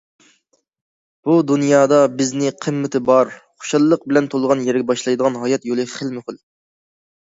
بۇ دۇنيادا بىزنى قىممىتى بار، خۇشاللىق بىلەن تولغان يەرگە باشلايدىغان ھايات يولى خىلمۇخىل.